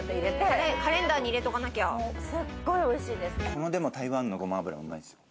この台湾のごま油もうまいですよ。